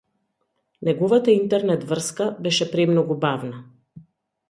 Неговата интернет-врска беше премногу бавна.